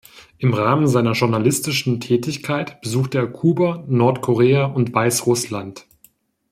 Im Rahmen seiner journalistischen Tätigkeit besuchte er Kuba, Nordkorea und Weißrussland.